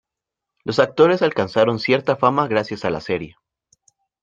Los actores alcanzaron cierta fama gracias a la serie.